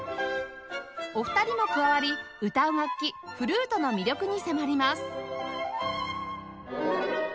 お二人も加わり歌う楽器フルートの魅力に迫ります